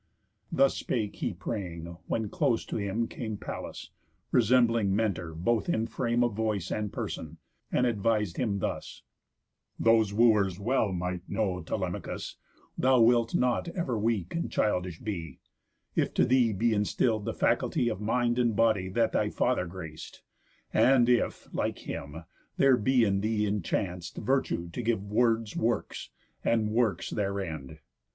Thus spake he praying; when close to him came Pallas, resembling Mentor both in frame Of voice and person, and advis'd him thus: "Those Wooers well might know, Telemachus, Thou wilt not ever weak and childish be, If to thee be instill'd the faculty Of mind and body that thy father grac'd; And if, like him, there be in thee enchac'd Virtue to give words works, and works their end.